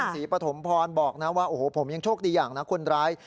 ศรีปฐมพรบอกนะว่าโอ้โหผมยังโชคดีอย่างนะคนร้าย